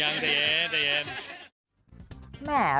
ยังเดี๋ยวเดี๋ยวเดี๋ยว